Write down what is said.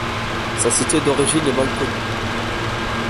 Sa cité d'origine est mal connue.